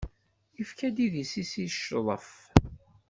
Ifka idis-is, i ccḍef.